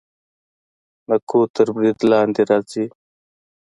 نکو تر برید لاندې راځي.